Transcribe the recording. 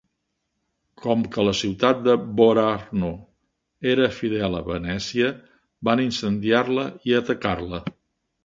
Com que la ciutat de Vobarno era fidel a Venècia, van incendiar-la i atacar-la.